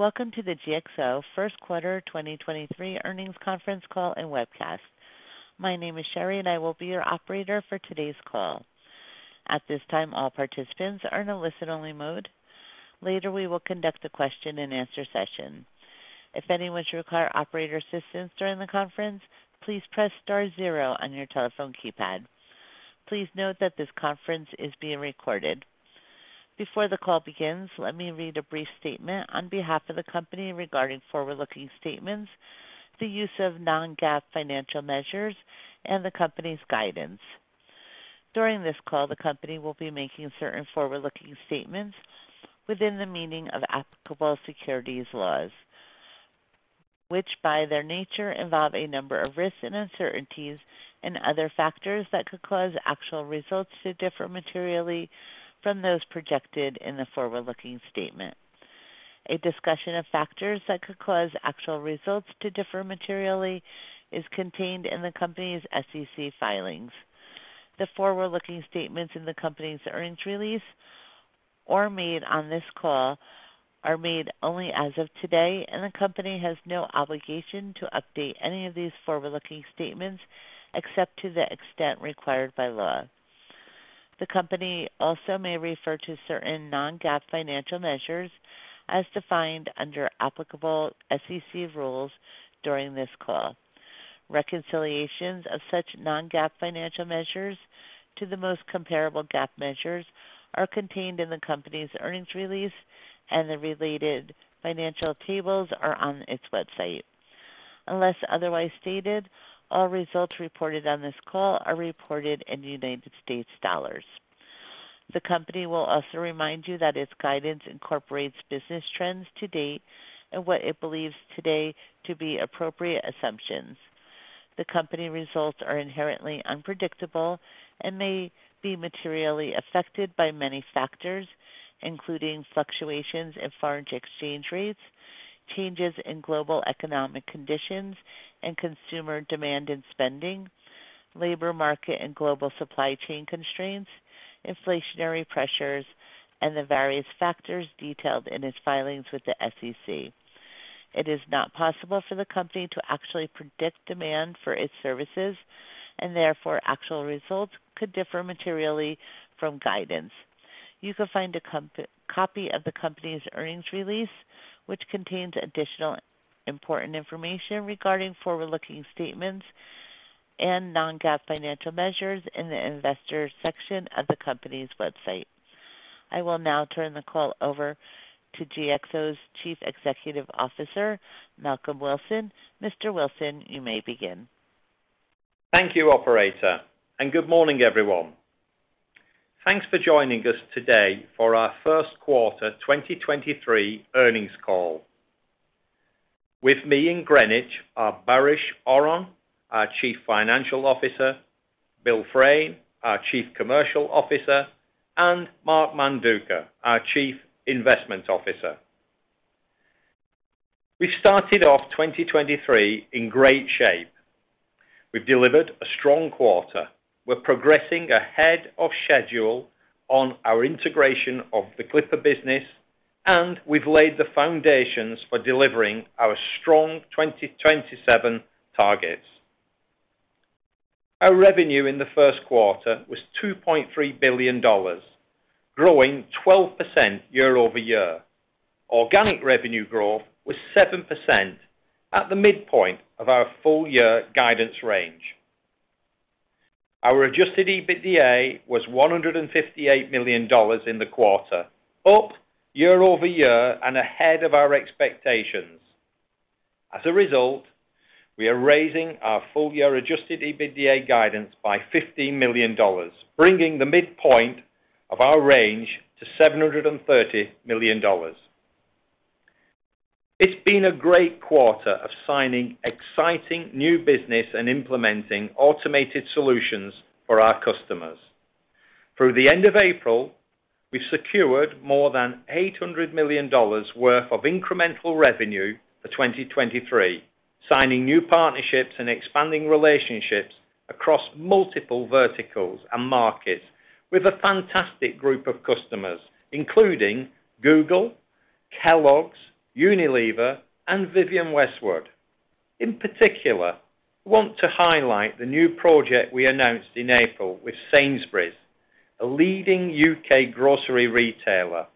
Welcome to the GXO first quarter 2023 earnings conference call and webcast. My name is Sherry, and I will be your operator for today's call. At this time, all participants are in a listen-only mode. Later, we will conduct a question-and-answer session. If anyone should require operator assistance during the conference, please press star 0 on your telephone keypad. Please note that this conference is being recorded. Before the call begins, let me read a brief statement on behalf of the company regarding forward-looking statements, the use of non-GAAP financial measures, and the company's guidance. During this call, the company will be making certain forward-looking statements within the meaning of applicable securities laws, which by their nature involve a number of risks and uncertainties and other factors that could cause actual results to differ materially from those projected in the forward-looking statement. A discussion of factors that could cause actual results to differ materially is contained in the company's SEC filings. The forward-looking statements in the company's earnings release or made on this call are made only as of today, and the company has no obligation to update any of these forward-looking statements, except to the extent required by law. The company also may refer to certain non-GAAP financial measures as defined under applicable SEC rules during this call. Reconciliations of such non-GAAP financial measures to the most comparable GAAP measures are contained in the company's earnings release, and the related financial tables are on its website. Unless otherwise stated, all results reported on this call are reported in United States dollars. The company will also remind you that its guidance incorporates business trends to date and what it believes today to be appropriate assumptions. The company results are inherently unpredictable and may be materially affected by many factors, including fluctuations in foreign exchange rates, changes in global economic conditions and consumer demand and spending, labor market and global supply chain constraints, inflationary pressures, and the various factors detailed in its filings with the SEC. It is not possible for the company to actually predict demand for its services, and therefore, actual results could differ materially from guidance. You can find a copy of the company's earnings release, which contains additional important information regarding forward-looking statements and non-GAAP financial measures in the investor section of the company's website. I will now turn the call over to GXO's Chief Executive Officer, Malcolm Wilson. Mr. Wilson, you may begin. Thank you, operator, and good morning, everyone. Thanks for joining us today for our first quarter 2023 earnings call. With me in Greenwich are Baris Oran, our Chief Financial Officer, Bill Fraine, our Chief Commercial Officer, and Mark Manduca, our Chief Investment Officer. We started off 2023 in great shape. We've delivered a strong quarter. We're progressing ahead of schedule on our integration of the Clipper business, and we've laid the foundations for delivering our strong 2027 targets. Our revenue in the first quarter was $2.3 billion, growing 12% year-over-year. Organic revenue growth was 7% at the midpoint of our full year guidance range. Our adjusted EBITDA was $158 million in the quarter, up year-over-year and ahead of our expectations. As a result, we are raising our full year adjusted EBITDA guidance by $15 million, bringing the midpoint of our range to $730 million. It's been a great quarter of signing exciting new business and implementing automated solutions for our customers. Through the end of April, we secured more than $800 million worth of incremental revenue for 2023, signing new partnerships and expanding relationships across multiple verticals and markets with a fantastic group of customers, including Google, Kellogg's, Unilever, and Vivienne Westwood. In particular, I want to highlight the new project we announced in April with Sainsbury's, a leading U.K. grocery retailer.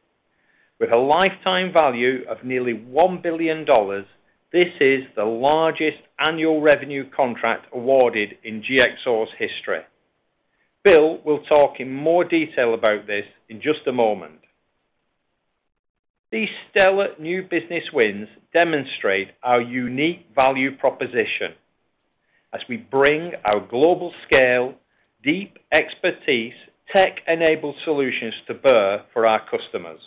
With a lifetime value of nearly $1 billion, this is the largest annual revenue contract awarded in GXO's history. Bill will talk in more detail about this in just a moment. These stellar new business wins demonstrate our unique value proposition as we bring our global scale, deep expertise, tech-enabled solutions to bear for our customers.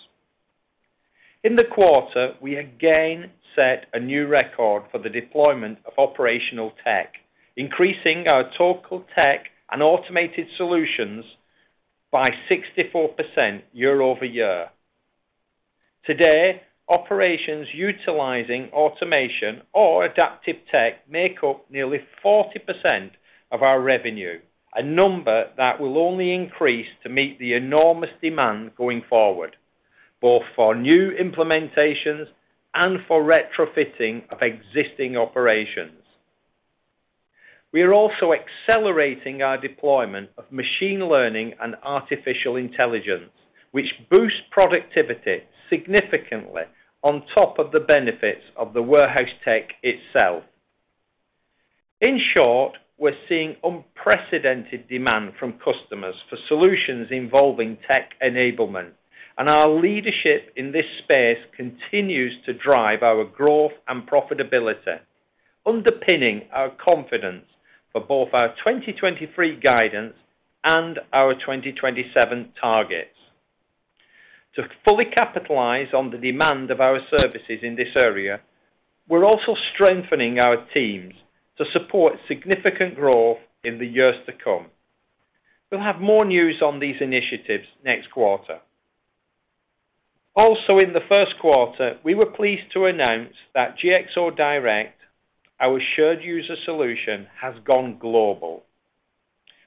In the quarter, we again set a new record for the deployment of operational tech, increasing our total tech and automated solutions by 64% year-over-year. Today, operations utilizing automation or adaptive tech make up nearly 40% of our revenue, a number that will only increase to meet the enormous demand going forward, both for new implementations and for retrofitting of existing operations. We are also accelerating our deployment of machine learning and artificial intelligence, which boosts productivity significantly on top of the benefits of the warehouse tech itself. In short, we're seeing unprecedented demand from customers for solutions involving tech enablement. Our leadership in this space continues to drive our growth and profitability, underpinning our confidence for both our 2023 guidance and our 2027 targets. To fully capitalize on the demand of our services in this area, we're also strengthening our teams to support significant growth in the years to come. We'll have more news on these initiatives next quarter. Also, in the first quarter, we were pleased to announce that GXO Direct, our shared user solution, has gone global.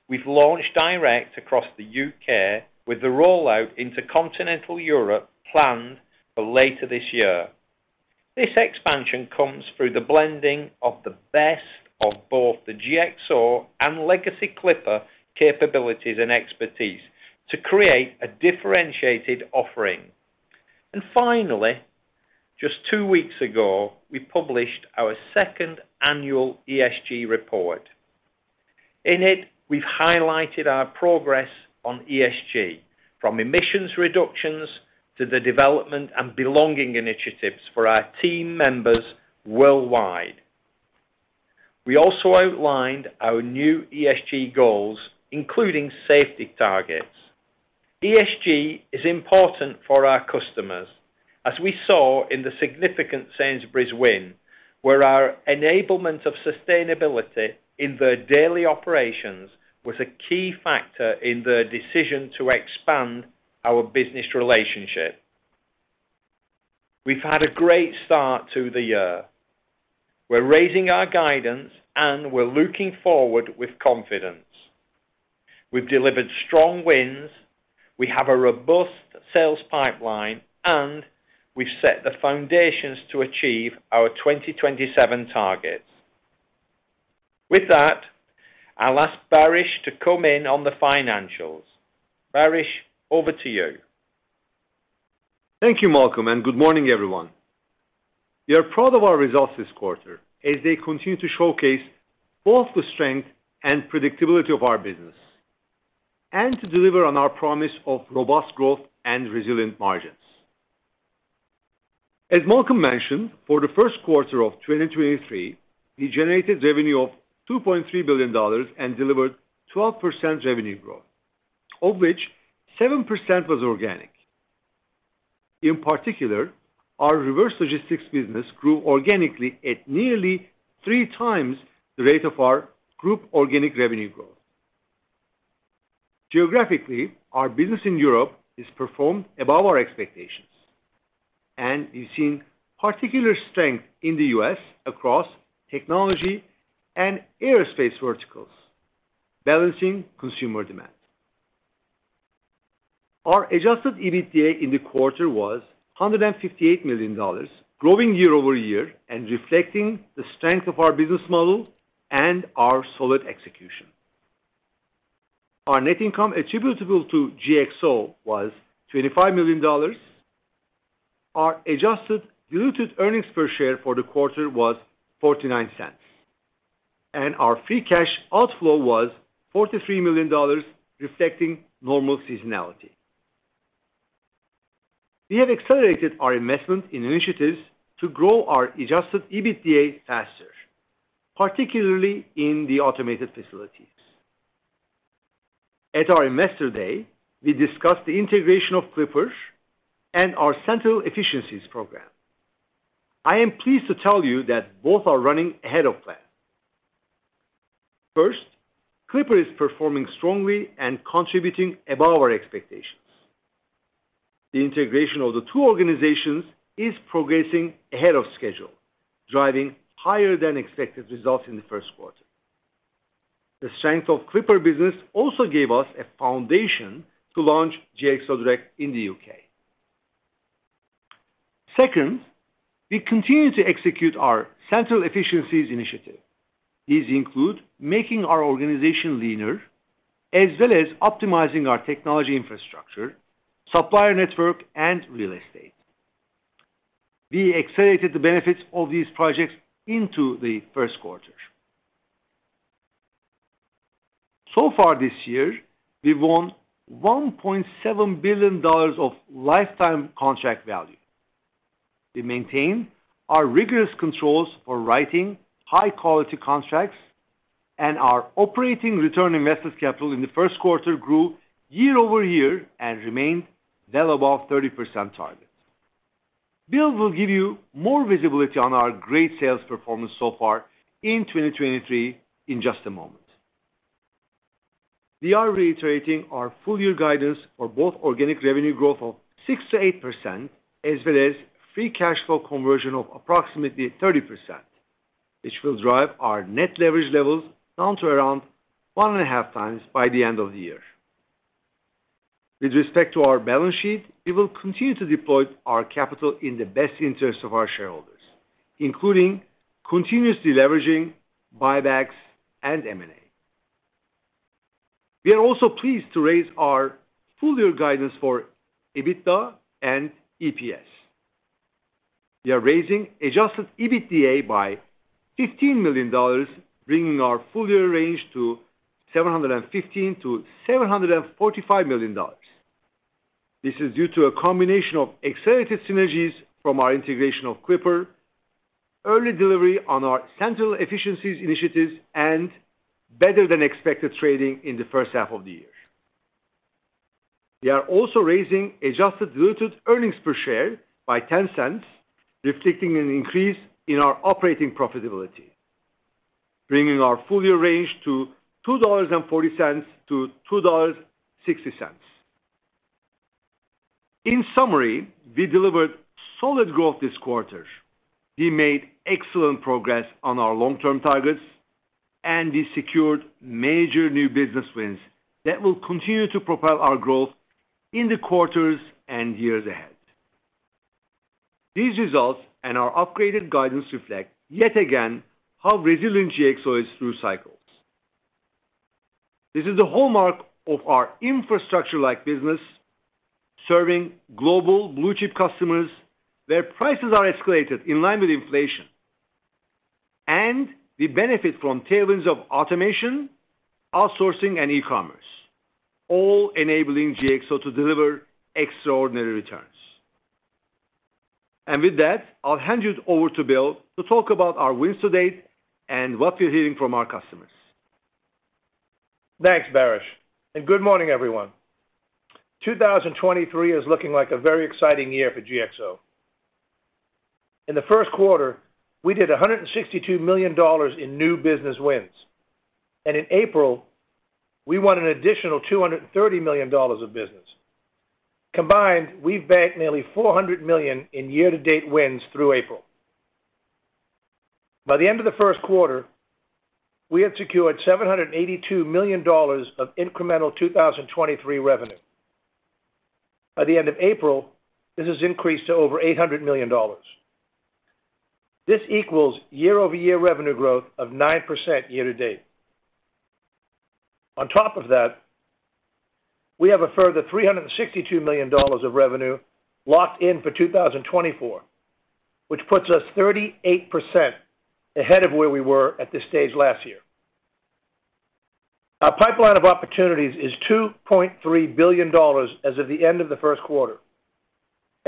We've launched Direct across the U.K. with the rollout into continental Europe planned for later this year. This expansion comes through the blending of the best of both the GXO and legacy Clipper capabilities and expertise to create a differentiated offering. Finally, just two weeks ago, we published our second annual ESG report. In it, we've highlighted our progress on ESG, from emissions reductions to the development and belonging initiatives for our team members worldwide. We also outlined our new ESG goals, including safety targets. ESG is important for our customers, as we saw in the significant Sainsbury's win, where our enablement of sustainability in their daily operations was a key factor in their decision to expand our business relationship. We've had a great start to the year. We're raising our guidance. We're looking forward with confidence. We've delivered strong wins. We have a robust sales pipeline. We've set the foundations to achieve our 2027 targets. With that, I'll ask Baris to come in on the financials. Baris, over to you. Thank you, Malcolm. Good morning, everyone. We are proud of our results this quarter as they continue to showcase both the strength and predictability of our business and to deliver on our promise of robust growth and resilient margins. As Malcolm mentioned, for the first quarter of 2023, we generated revenue of $2.3 billion and delivered 12% revenue growth, of which 7% was organic. In particular, our reverse logistics business grew organically at nearly 3x the rate of our group organic revenue growth. Geographically, our business in Europe has performed above our expectations, and we've seen particular strength in the U.S. across technology and aerospace verticals, balancing consumer demand. Our adjusted EBITDA in the quarter was $158 million, growing year-over-year and reflecting the strength of our business model and our solid execution. Our net income attributable to GXO was $25 million. Our adjusted diluted earnings per share for the quarter was $0.49, and our free cash outflow was $43 million, reflecting normal seasonality. We have accelerated our investment in initiatives to grow our adjusted EBITDA faster, particularly in the automated facilities. At our Investor Day, we discussed the integration of Clipper and our central efficiencies program. I am pleased to tell you that both are running ahead of plan. First, Clipper is performing strongly and contributing above our expectations. The integration of the two organizations is progressing ahead of schedule, driving higher than expected results in the first quarter. The strength of Clipper business also gave us a foundation to launch GXO Direct in the U.K.. Second, we continue to execute our central efficiencies initiative. These include making our organization leaner as well as optimizing our technology infrastructure, supplier network, and real estate. We accelerated the benefits of these projects into the first quarter. So far this year, we won $1.7 billion of lifetime contract value. We maintain our rigorous controls for writing high-quality contracts, and our operating return on invested capital in the first quarter grew year-over-year and remained well above 30% target. Bill will give you more visibility on our great sales performance so far in 2023 in just a moment. We are reiterating our full year guidance for both organic revenue growth of 6%-8% as well as free cash flow conversion of approximately 30%, which will drive our net leverage levels down to around 1.5x by the end of the year. With respect to our balance sheet, we will continue to deploy our capital in the best interest of our shareholders, including continuously leveraging buybacks and M&A. We are also pleased to raise our full year guidance for EBITDA and EPS. We are raising adjusted EBITDA by $15 million, bringing our full year range to $715 million-$745 million. This is due to a combination of accelerated synergies from our integration of Clipper, early delivery on our central efficiencies initiatives, and better than expected trading in the first half of the year. We are also raising adjusted diluted earnings per share by $0.10, reflecting an increase in our operating profitability, bringing our full year range to $2.40-$2.60. We delivered solid growth this quarter. We made excellent progress on our long-term targets, we secured major new business wins that will continue to propel our growth in the quarters and years ahead. These results and our upgraded guidance reflect yet again how resilient GXO is through cycles. This is the hallmark of our infrastructure-like business, serving global blue-chip customers, their prices are escalated in line with inflation, we benefit from tailwinds of automation, outsourcing, and e-commerce, all enabling GXO to deliver extraordinary returns. With that, I'll hand you over to Bill to talk about our wins to date and what we're hearing from our customers. Thanks, Baris. Good morning, everyone. 2023 is looking like a very exciting year for GXO. In the first quarter, we did $162 million in new business wins. In April, we won an additional $230 million of business. Combined, we banked nearly $400 million in year-to-date wins through April. By the end of the first quarter, we have secured $782 million of incremental 2023 revenue. By the end of April, this has increased to over $800 million. This equals year-over-year revenue growth of 9% year-to-date. On top of that, we have a further $362 million of revenue locked in for 2024, which puts us 38% ahead of where we were at this stage last year. Our pipeline of opportunities is $2.3 billion as of the end of the first quarter.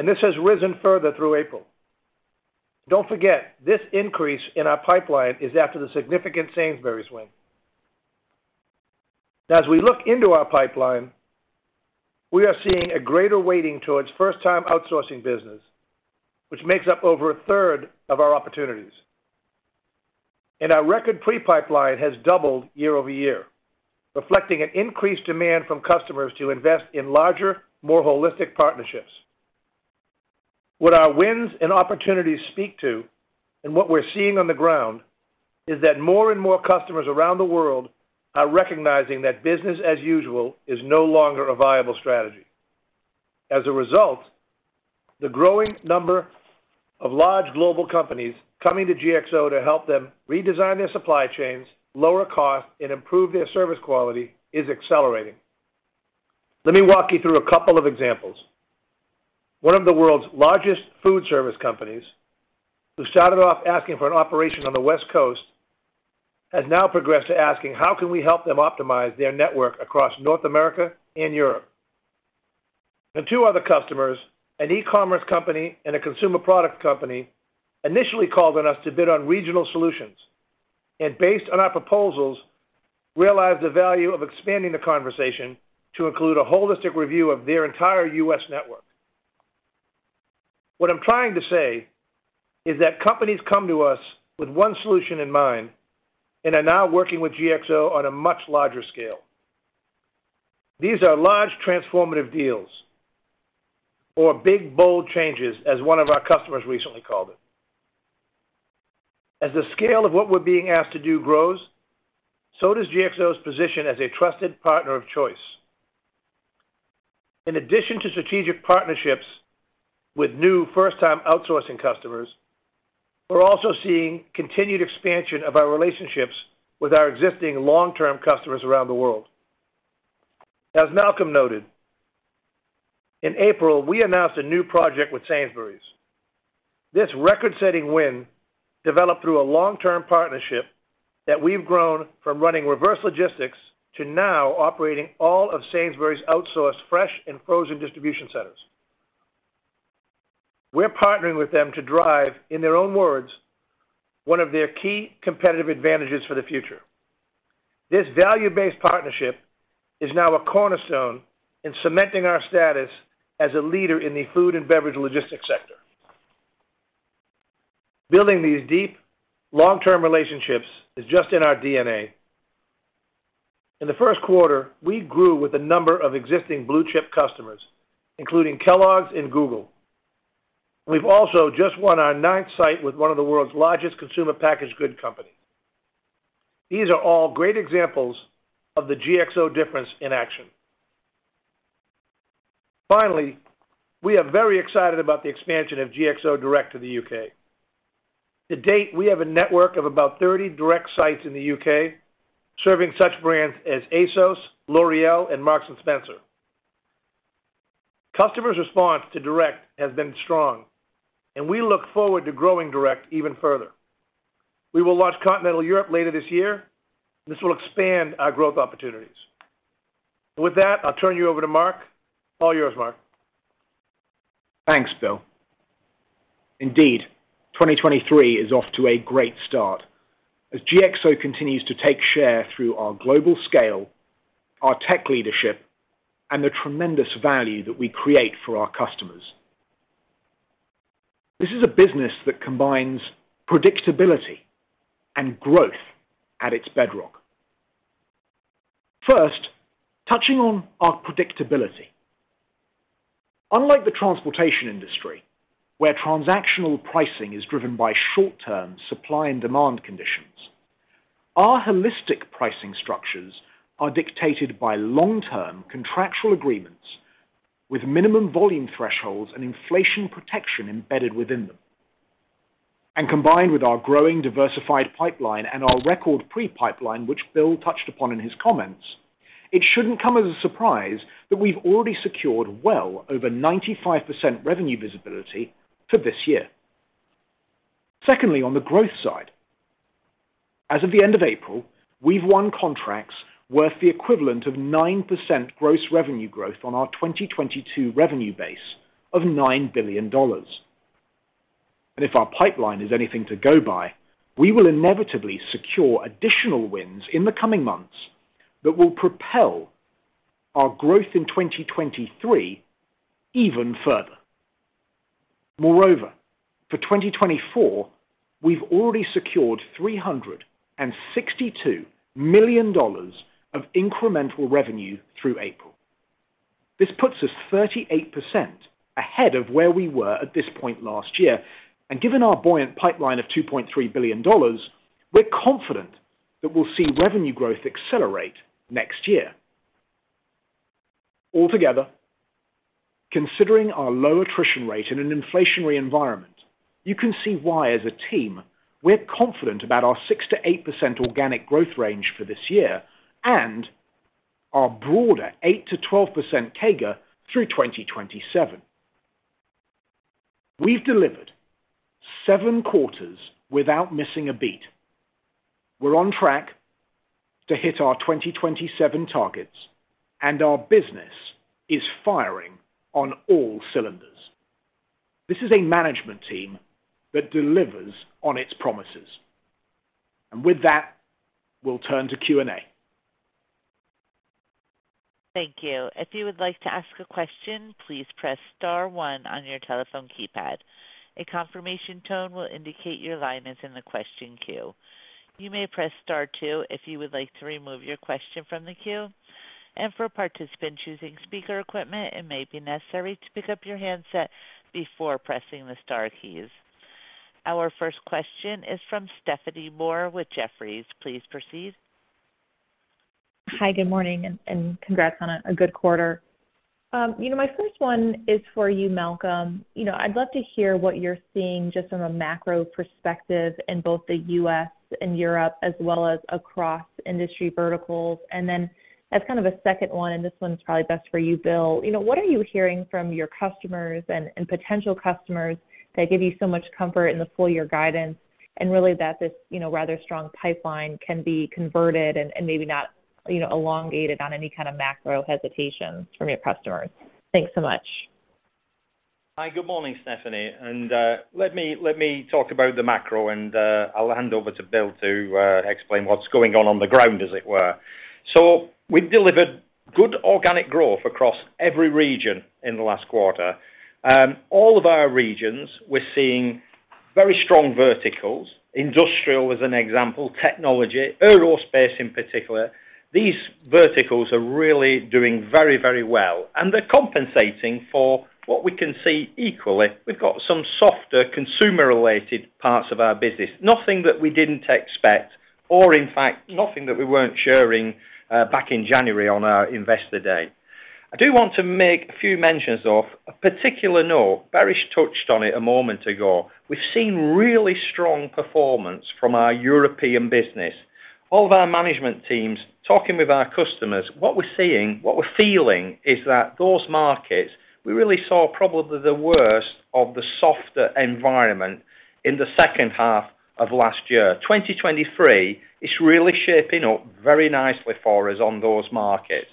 This has risen further through April. Don't forget, this increase in our pipeline is after the significant Sainsbury's win. As we look into our pipeline, we are seeing a greater weighting towards first-time outsourcing business, which makes up over a third of our opportunities. Our record pre-pipeline has doubled year-over-year, reflecting an increased demand from customers to invest in larger, more holistic partnerships. What our wins and opportunities speak to, and what we're seeing on the ground, is that more and more customers around the world are recognizing that business as usual is no longer a viable strategy. As a result, the growing number of large global companies coming to GXO to help them redesign their supply chains, lower cost, and improve their service quality is accelerating. Let me walk you through a couple of examples. One of the world's largest food service companies, who started off asking for an operation on the West Coast, has now progressed to asking how can we help them optimize their network across North America and Europe. The two other customers, an e-commerce company and a consumer product company, initially called on us to bid on regional solutions, and based on our proposals, realized the value of expanding the conversation to include a holistic review of their entire U.S. network. What I'm trying to say is that companies come to us with one solution in mind and are now working with GXO on a much larger scale. These are large transformative deals or big, bold changes as one of our customers recently called it. As the scale of what we're being asked to do grows, so does GXO's position as a trusted partner of choice. In addition to strategic partnerships with new first-time outsourcing customers, we're also seeing continued expansion of our relationships with our existing long-term customers around the world. As Malcolm noted, in April, we announced a new project with Sainsbury's. This record-setting win developed through a long-term partnership that we've grown from running reverse logistics to now operating all of Sainsbury's outsourced fresh and frozen distribution centers. We're partnering with them to drive, in their own words, one of their key competitive advantages for the future. This value-based partnership is now a cornerstone in cementing our status as a leader in the food and beverage logistics sector. Building these deep, long-term relationships is just in our DNA. In the first quarter, we grew with a number of existing blue-chip customers, including Kellogg's and Google. We've also just won our ninth site with one of the world's largest consumer packaged good company. These are all great examples of the GXO difference in action. Finally, we are very excited about the expansion of GXO Direct to the U.K. To date, we have a network of about 30 direct sites in the U.K., serving such brands as ASOS, L'Oréal, and Marks & Spencer. Customers' response to Direct has been strong, and we look forward to growing Direct even further. We will launch Continental Europe later this year. This will expand our growth opportunities. With that, I'll turn you over to Mark. All yours, Mark. Thanks, Bill. Indeed, 2023 is off to a great start as GXO continues to take share through our global scale, our tech leadership, and the tremendous value that we create for our customers. This is a business that combines predictability and growth at its bedrock. First, touching on our predictability. Unlike the transportation industry, where transactional pricing is driven by short-term supply and demand conditions, our holistic pricing structures are dictated by long-term contractual agreements with minimum volume thresholds and inflation protection embedded within them. Combined with our growing diversified pipeline and our record pre-pipeline, which Bill touched upon in his comments, it shouldn't come as a surprise that we've already secured well over 95% revenue visibility for this year. Secondly, on the growth side. As of the end of April, we've won contracts worth the equivalent of 9% gross revenue growth on our 2022 revenue base of $9 billion. If our pipeline is anything to go by, we will inevitably secure additional wins in the coming months that will propel our growth in 2023 even further. Moreover, for 2024, we've already secured $362 million of incremental revenue through April. This puts us 38% ahead of where we were at this point last year. Given our buoyant pipeline of $2.3 billion, we're confident that we'll see revenue growth accelerate next year. Altogether, considering our low attrition rate in an inflationary environment, you can see why, as a team, we're confident about our 6%-8% organic growth range for this year and our broader 8%-12% CAGR through 2027. We've delivered 7 quarters without missing a beat. We're on track to hit our 2027 targets. Our business is firing on all cylinders. This is a management team that delivers on its promises. With that, we'll turn to Q&A. Thank you. If you would like to ask a question, please press star one on your telephone keypad. A confirmation tone will indicate your line is in the question queue. You may press star two if you would like to remove your question from the queue. For participants using speaker equipment, it may be necessary to pick up your handset before pressing the star keys. Our first question is from Stephanie Moore with Jefferies. Please proceed. Hi, good morning, and congrats on a good quarter. You know, my first one is for you, Malcolm. You know, I'd love to hear what you're seeing just from a macro perspective in both the U.S. and Europe, as well as across industry verticals. As kind of a second one, and this one's probably best for you, Bill. You know, what are you hearing from your customers and potential customers that give you so much comfort in the full-year guidance, and really that this, you know, rather strong pipeline can be converted and maybe not, you know, elongated on any kind of macro hesitations from your customers? Thanks so much. Hi, good morning, Stephanie. Let me talk about the macro and I'll hand over to Bill to explain what's going on on the ground, as it were. We've delivered good organic growth across every region in the last quarter. All of our regions, we're seeing very strong verticals. Industrial as an example, technology, aerospace in particular. These verticals are really doing very, very well, and they're compensating for what we can see equally. We've got some softer consumer-related parts of our business. Nothing that we didn't expect or in fact, nothing that we weren't sharing back in January on our Investor Day. I do want to make a few mentions of a particular note. Baris touched on it a moment ago. We've seen really strong performance from our European business. All of our management teams talking with our customers, what we're seeing, what we're feeling is that those markets, we really saw probably the worst of the softer environment in the second half of last year. 2023 is really shaping up very nicely for us on those markets.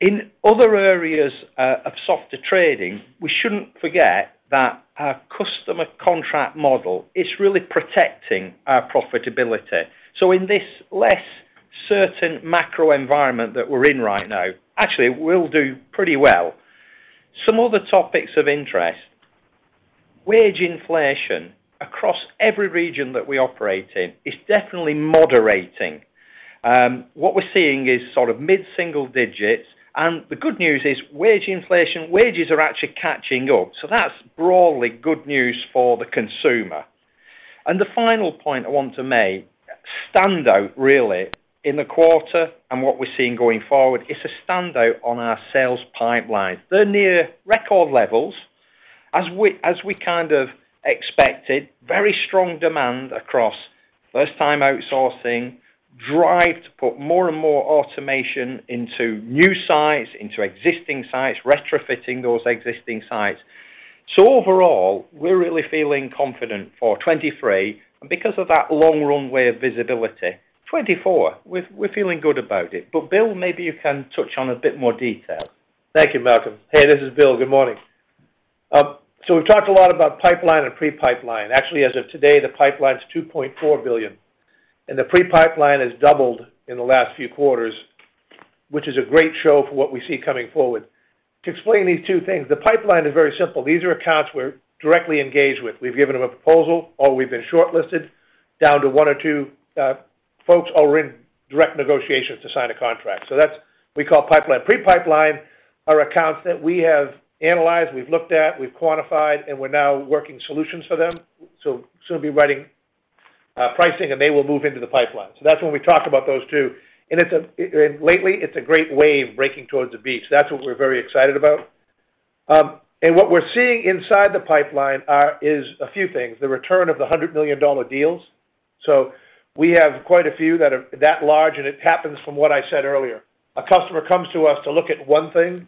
In other areas of softer trading, we shouldn't forget that our customer contract model is really protecting our profitability. In this less certain macro environment that we're in right now, actually we'll do pretty well. Some other topics of interest. Wage inflation across every region that we operate in is definitely moderating. What we're seeing is sort of mid-single digits. The good news is wage inflation, wages are actually catching up, so that's broadly good news for the consumer. The final point I want to make, standout really in the quarter and what we're seeing going forward is a standout on our sales pipeline. They're near record levels. As we kind of expected, very strong demand across first-time outsourcing, drive to put more and more automation into new sites, into existing sites, retrofitting those existing sites. Overall, we're really feeling confident for 2023. Because of that long runway of visibility, 2024, we're feeling good about it. Bill, maybe you can touch on a bit more detail. Thank you, Malcolm. Hey, this is Bill. Good morning. We've talked a lot about pipeline and pre-pipeline. Actually, as of today, the pipeline is $2.4 billion, the pre-pipeline has doubled in the last few quarters, which is a great show for what we see coming forward. To explain these two things, the pipeline is very simple. These are accounts we're directly engaged with. We've given them a proposal, or we've been shortlisted down to one or two folks, or we're in direct negotiations to sign a contract. That's we call pipeline. Pre-pipeline are accounts that we have analyzed, we've looked at, we've quantified, and we're now working solutions for them. Soon to be writing pricing, they will move into the pipeline. That's when we talk about those two. Lately, it's a great wave breaking towards the beach. That's what we're very excited about. What we're seeing inside the pipeline is a few things, the return of the $100 million deals. We have quite a few that are that large, and it happens from what I said earlier. A customer comes to us to look at one thing,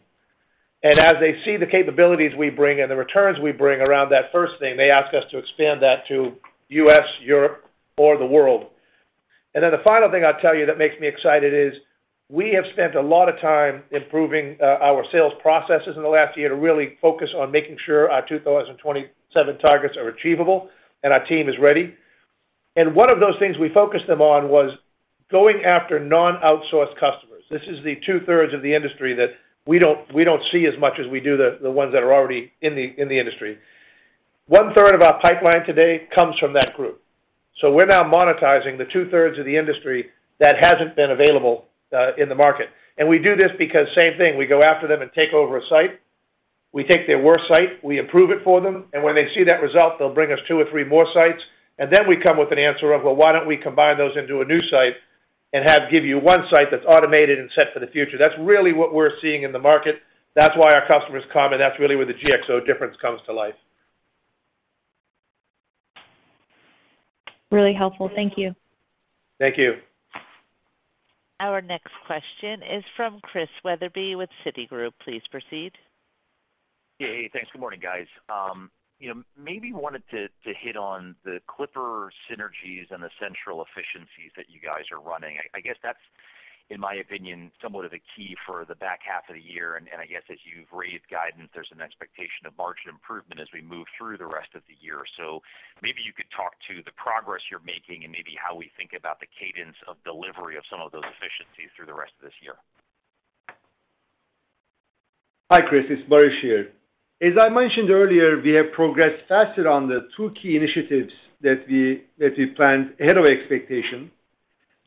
and as they see the capabilities we bring and the returns we bring around that first thing, they ask us to expand that to U.S., Europe, or the world. The final thing I'll tell you that makes me excited is we have spent a lot of time improving our sales processes in the last year to really focus on making sure our 2027 targets are achievable and our team is ready. One of those things we focused them on was going after non-outsourced customers. This is the 2/3 of the industry that we don't see as much as we do the ones that are already in the industry. 1/3 of our pipeline today comes from that group. We're now monetizing the 2/3 of the industry that hasn't been available in the market. We do this because same thing, we go after them and take over a site. We take their worst site, we improve it for them, and when they see that result, they'll bring us two or three more sites. Then we come with an answer of, "Well, why don't we combine those into a new site and have give you one site that's automated and set for the future?" That's really what we're seeing in the market. That's why our customers come, and that's really where the GXO difference comes to life. Really helpful. Thank you. Thank you. Our next question is from Chris Wetherbee with Citigroup. Please proceed. Yeah. Hey, thanks. Good morning, guys. You know, maybe wanted to hit on the Clipper synergies and the central efficiencies that you guys are running. I guess that's, in my opinion, somewhat of a key for the back half of the year. I guess as you've raised guidance, there's an expectation of margin improvement as we move through the rest of the year. Maybe you could talk to the progress you're making and maybe how we think about the cadence of delivery of some of those efficiencies through the rest of this year. Hi, Chris. It's Baris here. As I mentioned earlier, we have progressed faster on the two key initiatives that we planned ahead of expectation,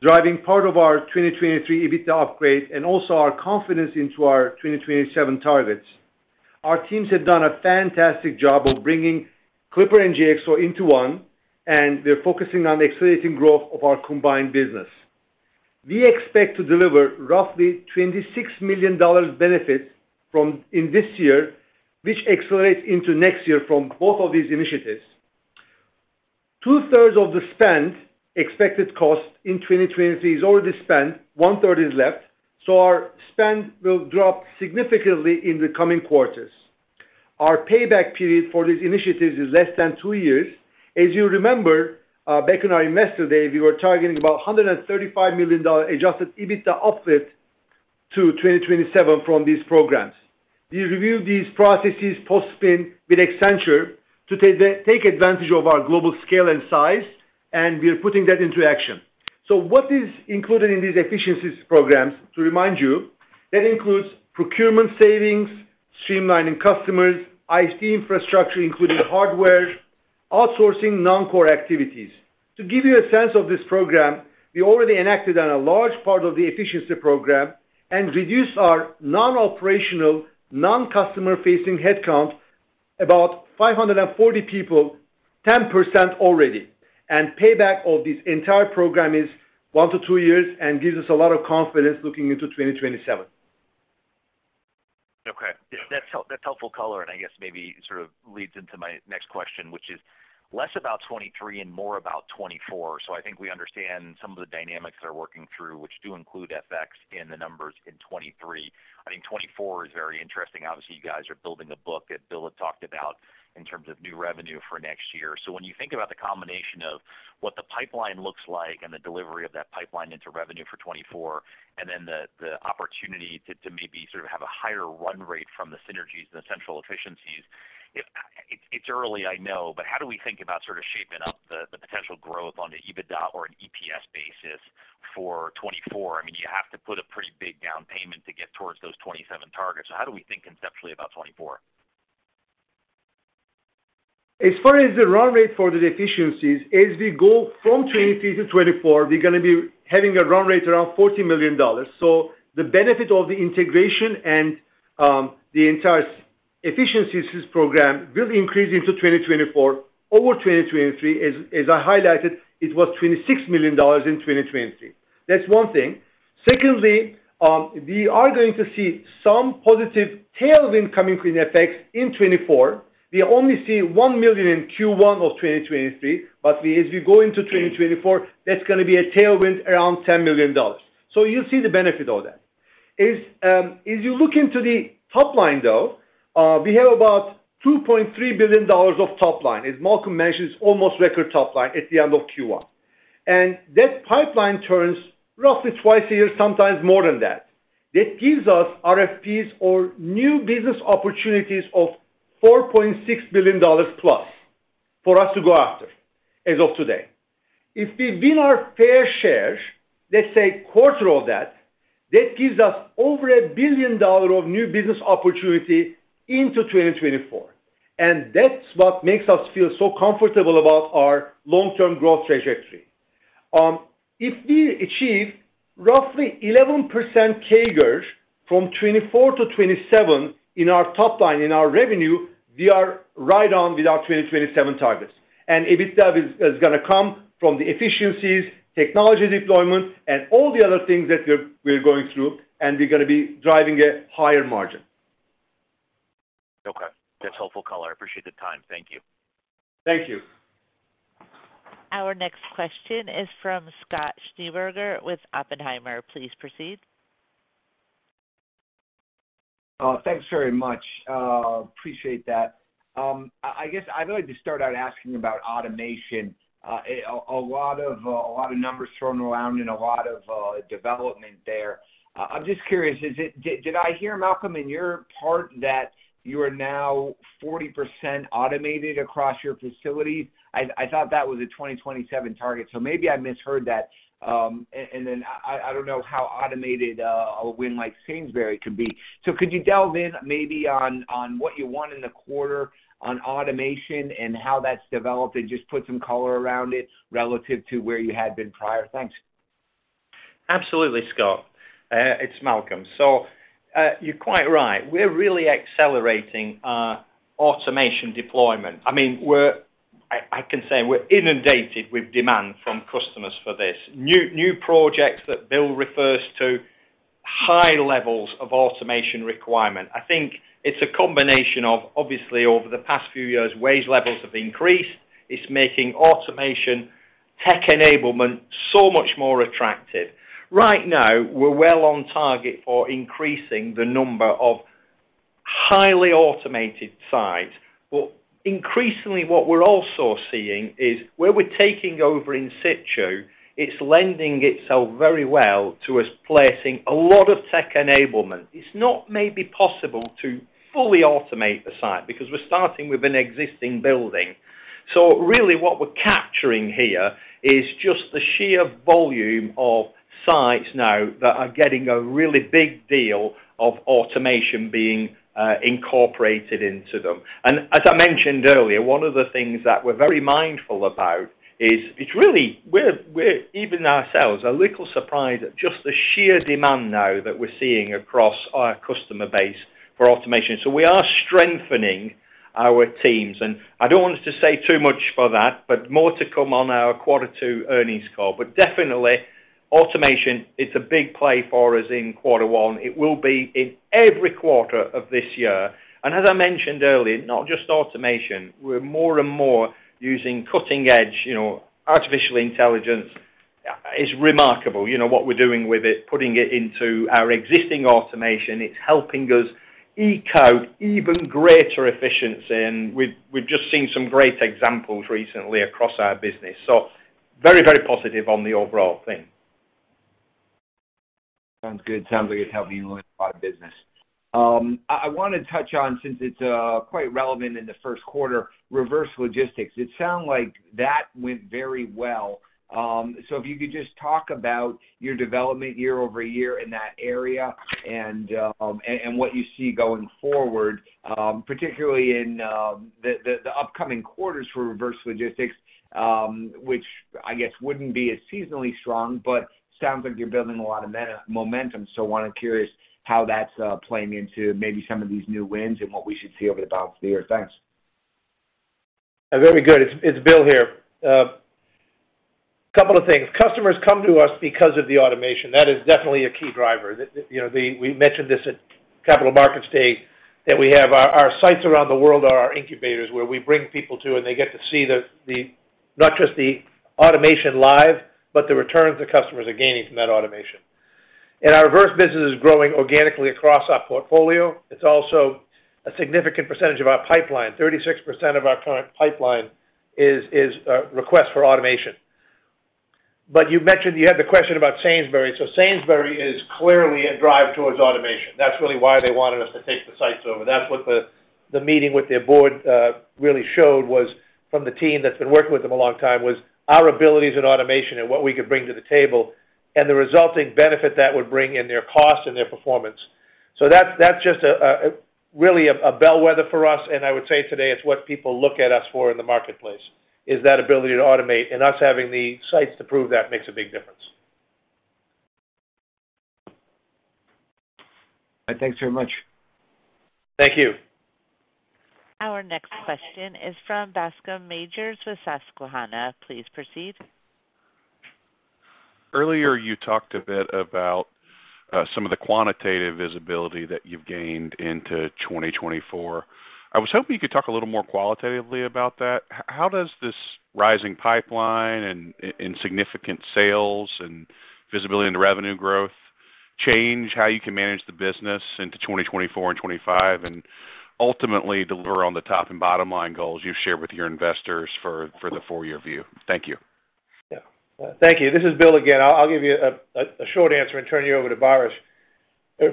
driving part of our 2023 EBITDA upgrade and also our confidence into our 2027 targets. Our teams have done a fantastic job of bringing Clipper and GXO into one, and they're focusing on accelerating growth of our combined business. We expect to deliver roughly $26 million benefit in this year, which accelerates into next year from both of these initiatives. 2/3 of the spend expected cost in 2023 is already spent,1/3 is left. Our spend will drop significantly in the coming quarters. Our payback period for these initiatives is less than two years. As you remember, back in our Investor Day, we were targeting about $135 million adjusted EBITDA uplift to 2027 from these programs. We reviewed these processes post-spin with Accenture to take advantage of our global scale and size, and we are putting that into action. What is included in these efficiencies programs, to remind you, that includes procurement savings, streamlining customers, IT infrastructure, including hardware, outsourcing non-core activities. To give you a sense of this program, we already enacted on a large part of the efficiency program and reduced our non-operational, non-customer facing headcount, about 540 people, 10% already. Payback of this entire program is 1-2 years and gives us a lot of confidence looking into 2027. That's helpful color, and I guess maybe sort of leads into my next question, which is less about 2023 and more about 2024. I think we understand some of the dynamics that are working through, which do include FX in the numbers in 2023. I think 2024 is very interesting. Obviously, you guys are building a book that Bill had talked about in terms of new revenue for next year. When you think about the combination of what the pipeline looks like and the delivery of that pipeline into revenue for 2024, and then the opportunity to maybe sort of have a higher run rate from the synergies and the central efficiencies, it's early, I know, but how do we think about sort of shaping up the potential growth on the EBITDA or an EPS basis for 2024? I mean, you have to put a pretty big down payment to get towards those 27 targets. How do we think conceptually about 24? Far as the run rate for the efficiencies, as we go from 2023 to 2024, we're gonna be having a run rate around $40 million. The benefit of the integration and the entire efficiencies program will increase into 2024 over 2023. As I highlighted, it was $26 million in 2023. That's one thing. Secondly, we are going to see some positive tailwind coming from FX in 2024. We only see $1 million in Q1 of 2023, we as we go into 2024, that's gonna be a tailwind around $10 million. You'll see the benefit of that. If you look into the top line, though, we have about $2.3 billion of top line. As Malcolm mentioned, it's almost record top line at the end of Q1. That pipeline turns roughly twice a year, sometimes more than that. That gives us RFPs or new business opportunities of $4.6 billion plus for us to go after as of today. If we win our fair share, let's say a quarter of that gives us over $1 billion of new business opportunity into 2024, and that's what makes us feel so comfortable about our long-term growth trajectory. If we achieve roughly 11% CAGR from 2024 to 2027 in our top line, in our revenue, we are right on with our 2027 targets. EBITDA is gonna come from the efficiencies, technology deployment, and all the other things that we're going through, and we're gonna be driving a higher margin. Okay. That's helpful color. I appreciate the time. Thank you. Thank you. Our next question is from Scott Schneeberger with Oppenheimer. Please proceed. Thanks very much. Appreciate that. I guess I'd like to start out asking about automation. A lot of numbers thrown around and a lot of development there. I'm just curious, did I hear Malcolm in your part that you are now 40% automated across your facilities? I thought that was a 2027 target, so maybe I misheard that. Then I don't know how automated a win like Sainsbury's could be. Could you delve in maybe on what you want in the quarter on automation and how that's developed, and just put some color around it relative to where you had been prior? Thanks. Absolutely, Scott. It's Malcolm. You're quite right. We're really accelerating our automation deployment. I mean, I can say we're inundated with demand from customers for this. New projects that Bill refers to, high levels of automation requirement. I think it's a combination of, obviously, over the past few years, wage levels have increased. It's making automation tech enablement so much more attractive. Right now, we're well on target for increasing the number of highly automated sites. Increasingly what we're also seeing is where we're taking over in situ, it's lending itself very well to us placing a lot of tech enablement. It's not maybe possible to fully automate the site because we're starting with an existing building. Really what we're capturing here is just the sheer volume of sites now that are getting a really big deal of automation being incorporated into them. As I mentioned earlier, one of the things that we're very mindful about is it's really we're even ourselves a little surprised at just the sheer demand now that we're seeing across our customer base for automation. We are strengthening our teams, and I don't want us to say too much for that, but more to come on our quarter two earnings call. Definitely, automation is a big play for us in quarter one. It will be in every quarter of this year. As I mentioned earlier, not just automation. We're more and more using cutting-edge, you know, artificial intelligence. It's remarkable, you know, what we're doing with it, putting it into our existing automation. It's helping us eke out even greater efficiency, and we've just seen some great examples recently across our business. Very, very positive on the overall thing. Sounds good. Sounds like it's helping you win a lot of business. I wanna touch on, since it's quite relevant in the first quarter, reverse logistics. It sounds like that went very well. If you could just talk about your development year-over-year in that area and what you see going forward, particularly in the upcoming quarters for reverse logistics, which I guess wouldn't be as seasonally strong but sounds like you're building a lot of momentum. I'm curious how that's playing into maybe some of these new wins and what we should see over the balance of the year. Thanks. Very good. It's Bill here. Couple of things. Customers come to us because of the automation. That is definitely a key driver. you know, we mentioned this at Capital Markets Day, that we have our sites around the world are our incubators, where we bring people to and they get to see the not just the automation live, but the returns the customers are gaining from that automation. Our reverse business is growing organically across our portfolio. It's also a significant percentage of our pipeline. 36% of our current pipeline is requests for automation. You mentioned you had the question about Sainsbury's. Sainsbury's is clearly a drive towards automation. That's really why they wanted us to take the sites over. That's what the meeting with their board really showed was from the team that's been working with them a long time, was our abilities in automation and what we could bring to the table and the resulting benefit that would bring in their cost and their performance. That's just a really a bellwether for us, and I would say today it's what people look at us for in the marketplace, is that ability to automate and us having the sites to prove that makes a big difference. Thanks very much. Thank you. Our next question is from Bascome Majors with Susquehanna. Please proceed. Earlier, you talked a bit about some of the quantitative visibility that you've gained into 2024. I was hoping you could talk a little more qualitatively about that. How does this rising pipeline and significant sales and visibility into revenue growth change how you can manage the business into 2024 and 2025, and ultimately deliver on the top and bottom line goals you've shared with your investors for the four-year view? Thank you. Yeah. Thank you. This is Bill again. I'll give you a short answer and turn you over to Baris.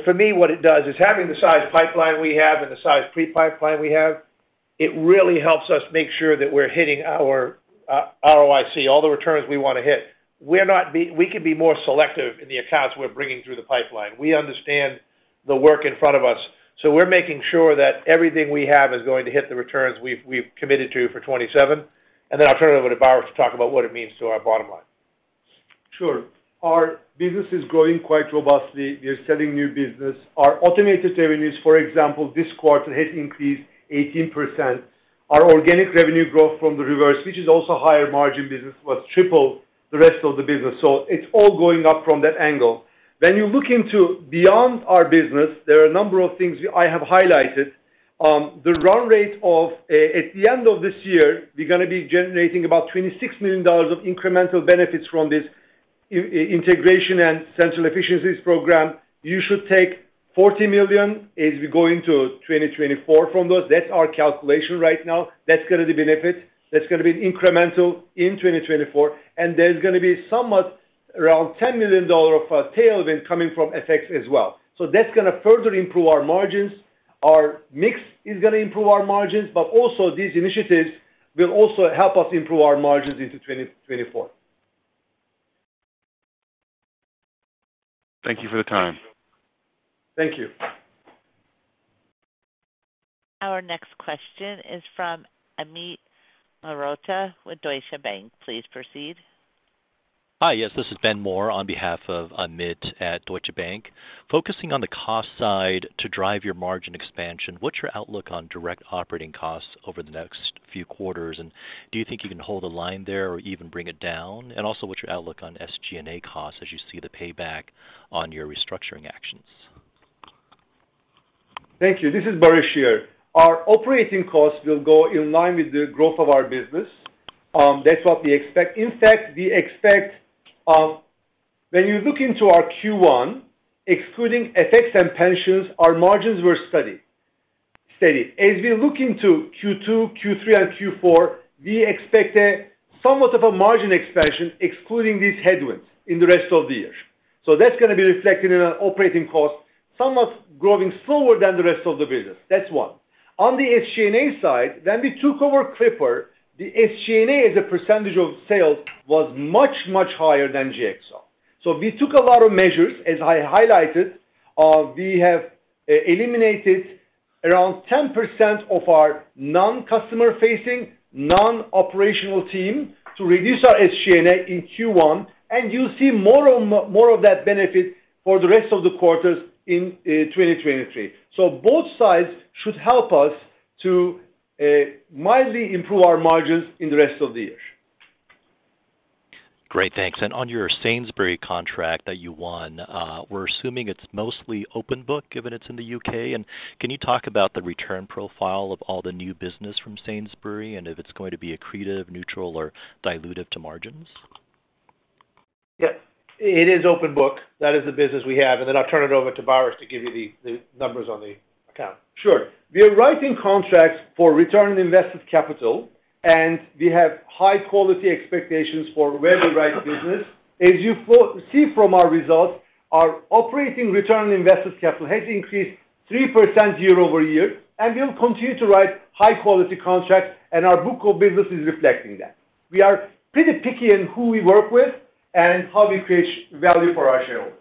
For me, what it does is having the size pipeline we have and the size pre-pipeline we have, it really helps us make sure that we're hitting our ROIC, all the returns we wanna hit. We can be more selective in the accounts we're bringing through the pipeline. We understand the work in front of us, we're making sure that everything we have is going to hit the returns we've committed to for 27, I'll turn it over to Baris to talk about what it means to our bottom line. Sure. Our business is growing quite robustly. We are selling new business. Our automated revenues, for example, this quarter has increased 18%. Our organic revenue growth from the reverse, which is also higher margin business, was triple the rest of the business. It's all going up from that angle. When you look into beyond our business, there are a number of things I have highlighted. The run rate of at the end of this year, we're gonna be generating about $26 million of incremental benefits from this integration and central efficiencies program. You should take $40 million as we go into 2024 from those. That's our calculation right now. That's gonna be benefit. That's gonna be incremental in 2024. There's gonna be somewhat around $10 million of tailwind coming from FX as well. That's gonna further improve our margins. Our mix is gonna improve our margins, but also these initiatives will also help us improve our margins into 2024. Thank you for the time. Thank you. Our next question is from Amit Mehrotra with Deutsche Bank. Please proceed. Hi. Yes, this is Ben Moore on behalf of Amit at Deutsche Bank. Focusing on the cost side to drive your margin expansion, what's your outlook on direct operating costs over the next few quarters? Do you think you can hold the line there or even bring it down? Also, what's your outlook on SG&A costs as you see the payback on your restructuring actions? Thank you. This is Baris here. Our operating costs will go in line with the growth of our business. That's what we expect. In fact, we expect. When you look into our Q1, excluding FX and pensions, our margins were steady. As we look into Q2, Q3, and Q4, we expect a somewhat of a margin expansion, excluding these headwinds in the rest of the year. That's gonna be reflected in our operating costs, somewhat growing slower than the rest of the business. That's one. On the SG&A side, when we took over Clipper, the SG&A, as a percentage of sales, was much, much higher than GXO. We took a lot of measures, as I highlighted. We have eliminated around 10% of our non-customer facing, non-operational team to reduce our SG&A in Q1, and you'll see more of that benefit for the rest of the quarters in 2023. Both sides should help us to mildly improve our margins in the rest of the year. Great. Thanks. On your Sainsbury's contract that you won, we're assuming it's mostly open book, given it's in the U.K., and can you talk about the return profile of all the new business from Sainsbury's and if it's going to be accretive, neutral or dilutive to margins? Yeah. It is open book. That is the business we have, and then I'll turn it over to Baris to give you the numbers on the account. Sure. We are writing contracts for return on invested capital, and we have high quality expectations for where we write business. As you see from our results, our operating return on invested capital has increased 3% year-over-year, and we'll continue to write high quality contracts, and our book of business is reflecting that. We are pretty picky in who we work with and how we create value for our shareholders.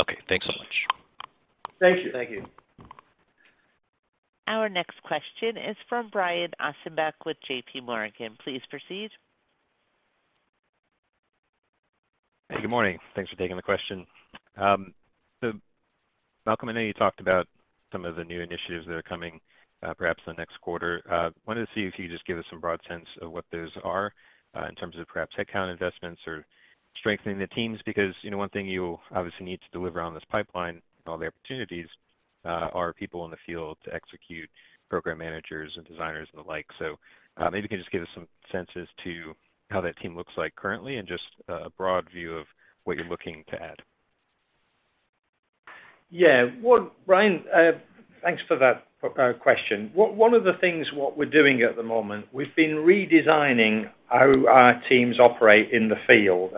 Okay, thanks so much. Thank you. Thank you. Our next question is from Brian Ossenbeck with JPMorgan. Please proceed. Good morning. Thanks for taking the question. Malcolm, I know you talked about some of the new initiatives that are coming, perhaps the next quarter. Wanted to see if you could just give us some broad sense of what those are, in terms of perhaps headcount investments or strengthening the teams, because, you know, one thing you obviously need to deliver on this pipeline and all the opportunities, are people in the field to execute program managers and designers and the like. Maybe you can just give us some sense as to how that team looks like currently and just a broad view of what you're looking to add. Yeah. Well, Brian, thanks for that question. One of the things what we're doing at the moment, we've been redesigning how our teams operate in the field.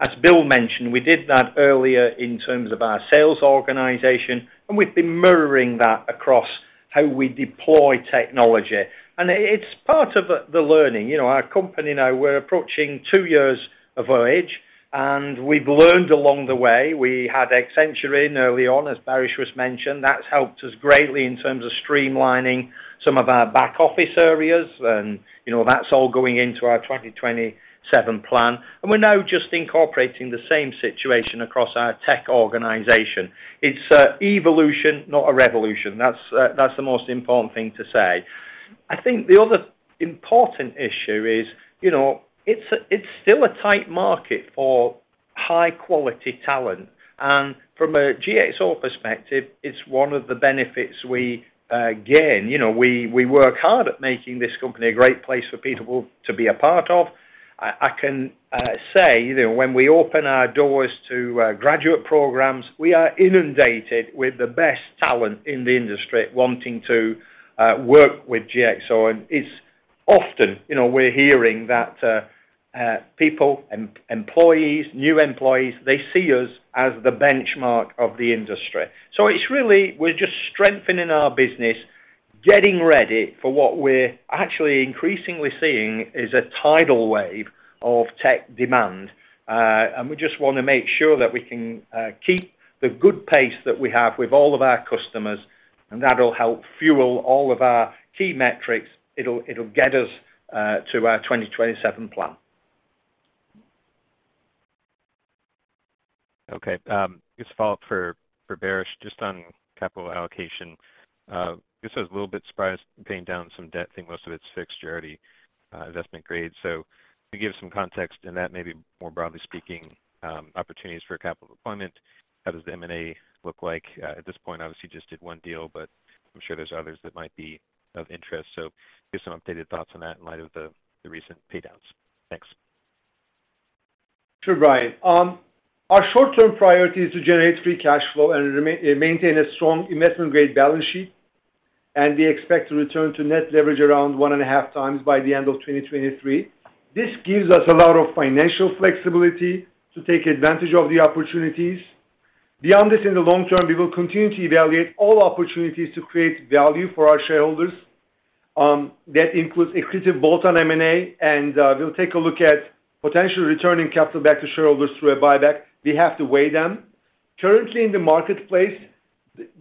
As Bill mentioned, we did that earlier in terms of our sales organization, and we've been mirroring that across how we deploy technology. It's part of the learning. You know, our company now, we're approaching two years of age, and we've learned along the way. We had Accenture in early on, as Baris just mentioned. That's helped us greatly in terms of streamlining some of our back office areas and, you know, that's all going into our 2027 plan. We're now just incorporating the same situation across our tech organization. It's a evolution, not a revolution. That's the most important thing to say. I think the other important issue is, you know, it's still a tight market for high quality talent. From a GXO perspective, it's one of the benefits we gain. You know, we work hard at making this company a great place for people to be a part of. I can say that when we open our doors to graduate programs, we are inundated with the best talent in the industry wanting to work with GXO. It's often, you know, we're hearing that people, employees, new employees, they see us as the benchmark of the industry. It's really we're just strengthening our business, getting ready for what we're actually increasingly seeing is a tidal wave of tech demand. We just wanna make sure that we can keep the good pace that we have with all of our customers, that'll help fuel all of our key metrics. It'll get us to our 2027 plan. This is a follow-up for Baris, just on capital allocation. This is a little bit surprised paying down some debt. I think most of it's fixed already, investment grade. Can you give some context, and that may be more broadly speaking, opportunities for capital deployment. How does the M&A look like at this point? Obviously, you just did one deal, but I'm sure there's others that might be of interest. Give some updated thoughts on that in light of the recent paydowns. Thanks. Sure, Brian. Our short-term priority is to generate free cash flow and maintain a strong investment-grade balance sheet. We expect to return to net leverage around 1.5x by the end of 2023. This gives us a lot of financial flexibility to take advantage of the opportunities. Beyond this, in the long term, we will continue to evaluate all opportunities to create value for our shareholders. That includes accretive bolt-on M&A. We'll take a look at potentially returning capital back to shareholders through a buyback. We have to weigh them. Currently in the marketplace,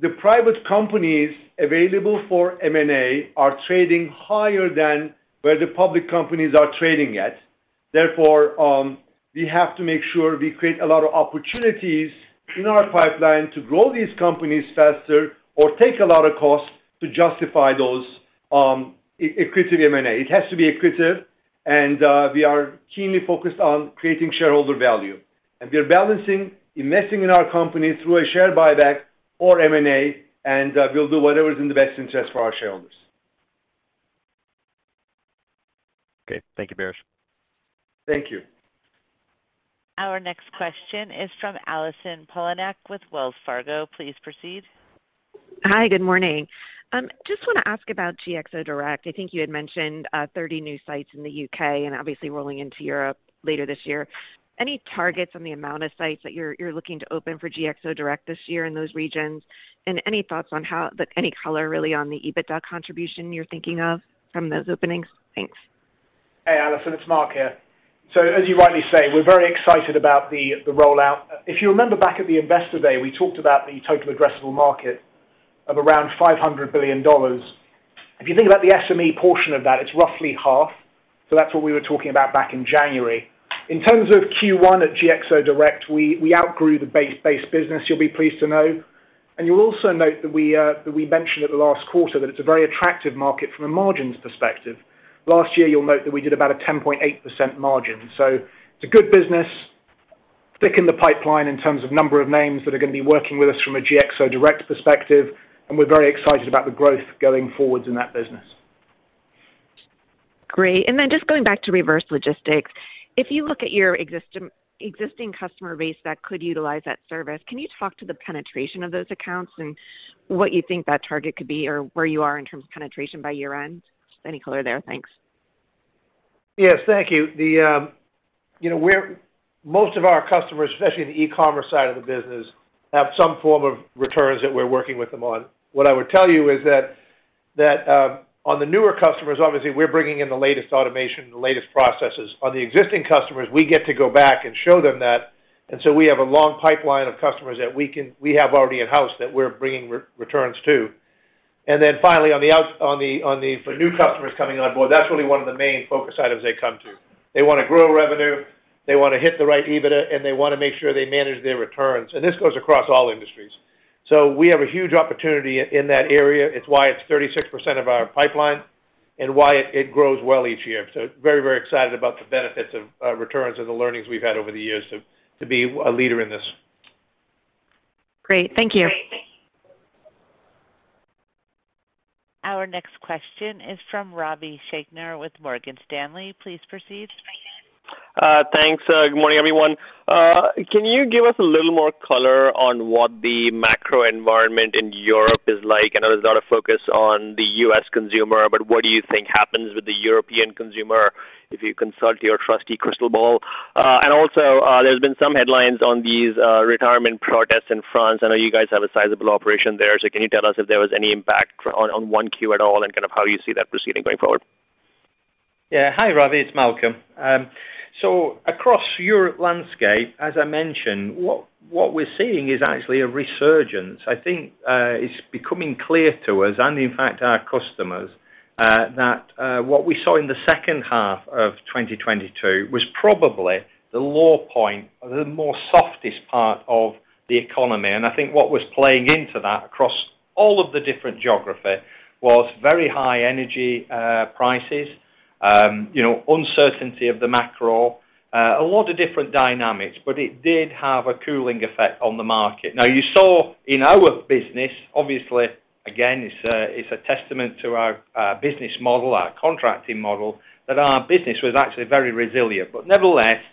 the private companies available for M&A are trading higher than where the public companies are trading at. Therefore, we have to make sure we create a lot of opportunities in our pipeline to grow these companies faster or take a lot of cost to justify those accretive M&A. It has to be accretive, and we are keenly focused on creating shareholder value. We are balancing investing in our company through a share buyback or M&A, and we'll do whatever is in the best interest for our shareholders. Okay. Thank you, Baris. Thank you. Our next question is from Allison Poliniak with Wells Fargo. Please proceed. Hi. Good morning. Just wanna ask about GXO Direct. I think you had mentioned, 30 new sites in the U.K. and obviously rolling into Europe later this year. Any targets on the amount of sites that you're looking to open for GXO Direct this year in those regions? Any thoughts on any color really on the EBITDA contribution you're thinking of from those openings? Thanks. Hey, Allison, it's Mark here. As you rightly say, we're very excited about the rollout. If you remember back at the Investor Day, we talked about the total addressable market of around $500 billion. If you think about the SME portion of that, it's roughly half. That's what we were talking about back in January. In terms of Q1 at GXO Direct, we outgrew the base-based business, you'll be pleased to know. You'll also note that we mentioned at the last quarter that it's a very attractive market from a margins perspective. Last year, you'll note that we did about a 10.8% margin. It's a good business. Thick in the pipeline in terms of number of names that are gonna be working with us from a GXO Direct perspective, and we're very excited about the growth going forward in that business. Great. Just going back to reverse logistics. If you look at your existing customer base that could utilize that service, can you talk to the penetration of those accounts and what you think that target could be or where you are in terms of penetration by year-end? Any color there? Thanks. Yes, thank you. The, you know, most of our customers, especially in the e-commerce side of the business, have some form of returns that we're working with them on. What I would tell you is that, on the newer customers, obviously, we're bringing in the latest automation, the latest processes. On the existing customers, we get to go back and show them that. We have a long pipeline of customers that we have already in-house that we're bringing re-returns to. Finally, on the, for new customers coming on board, that's really one of the main focus items they come to. They wanna grow revenue, they wanna hit the right EBITDA, and they wanna make sure they manage their returns. This goes across all industries. We have a huge opportunity in that area. It's why it's 36% of our pipeline and why it grows well each year. Very, very excited about the benefits of returns and the learnings we've had over the years to be a leader in this. Great. Thank you. Our next question is from Ravi Shanker with Morgan Stanley. Please proceed. Thanks. Good morning, everyone. Can you give us a little more color on what the macro environment in Europe is like? I know there's a lot of focus on the U.S. consumer, but what do you think happens with the European consumer if you consult your trusty crystal ball? Also, there's been some headlines on these retirement protests in France. I know you guys have a sizable operation there, so can you tell us if there was any impact on 1Q at all and kind of how you see that proceeding going forward? Yeah. Hi, Ravi. It's Malcolm. Across Europe landscape, as I mentioned, what we're seeing is actually a resurgence. I think it's becoming clear to us and in fact our customers, that what we saw in the second half of 2022 was probably the low point or the more softest part of the economy. I think what was playing into that across all of the different geography was very high energy prices. You know, uncertainty of the macro, a lot of different dynamics, but it did have a cooling effect on the market. You saw in our business, obviously again, it's a testament to our business model, our contracting model, that our business was actually very resilient. Nevertheless,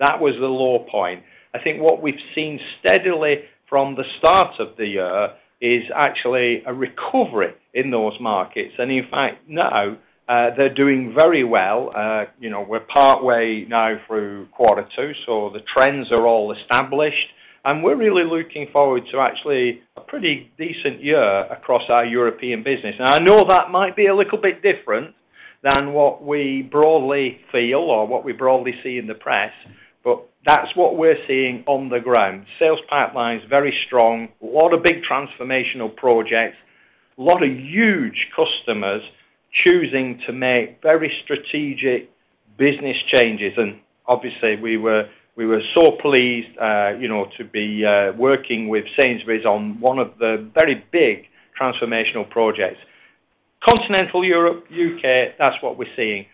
that was the low point. I think what we've seen steadily from the start of the year is actually a recovery in those markets. In fact, now, they're doing very well. You know, we're partway now through quarter two, so the trends are all established, and we're really looking forward to actually a pretty decent year across our European business. I know that might be a little bit different than what we broadly feel or what we broadly see in the press, but that's what we're seeing on the ground. Sales pipeline is very strong. A lot of big transformational projects. A lot of huge customers choosing to make very strategic business changes. Obviously we were so pleased, you know, to be working with Sainsbury's on one of the very big transformational projects. Continental Europe, U.K., that's what we're seeing.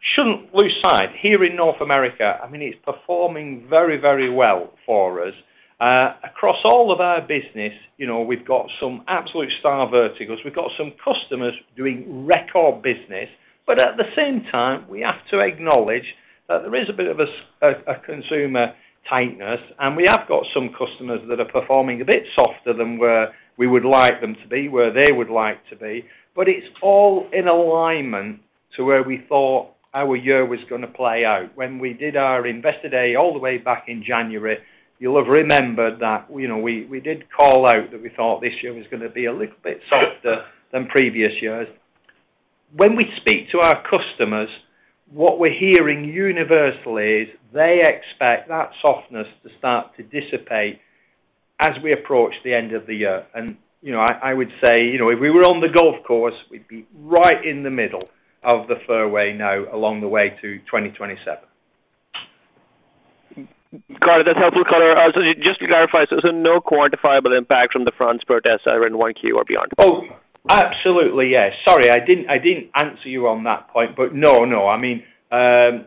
Shouldn't lose sight. Here in North America, I mean, it's performing very, very well for us. Across all of our business, you know, we've got some absolute star verticals. We've got some customers doing record business. At the same time, we have to acknowledge that there is a bit of a consumer tightness, and we have got some customers that are performing a bit softer than where we would like them to be, where they would like to be. It's all in alignment to where we thought our year was gonna play out. When we did our Investor Day all the way back in January, you'll have remembered that, you know, we did call out that we thought this year was gonna be a little bit softer than previous years. When we speak to our customers, what we're hearing universally is they expect that softness to start to dissipate as we approach the end of the year. You know, I would say, you know, if we were on the golf course, we'd be right in the middle of the fairway now along the way to 2027. Got it. That's helpful color. Just to clarify, so no quantifiable impact from the France protests either in 1Q or beyond? Oh, absolutely, yes. Sorry, I didn't answer you on that point, but no, I mean, again,